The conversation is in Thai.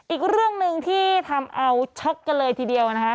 อีกเรื่องหนึ่งที่ทำเอาช็อกกันเลยทีเดียวนะคะ